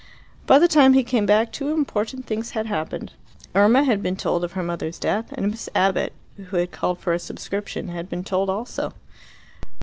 By the time he came back two important things had happened. Irma had been told of her mother's death, and Miss Abbott, who had called for a subscription, had been told also.